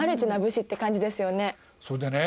それでね